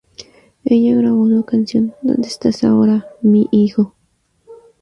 Ella grabó su canción "¿Dónde estás ahora, mi hijo?